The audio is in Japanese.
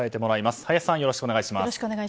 林さん、よろしくお願いします。